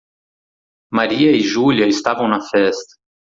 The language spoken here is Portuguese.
Maria e Júlia estavam na festa.